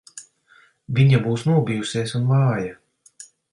Viņa būs nobijusies un vāja.